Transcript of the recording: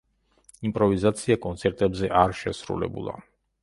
იმპროვიზაცია კონცერტებზე არ შესრულებულა.